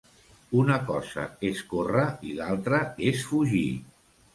Una cosa és córrer i altra és fugir.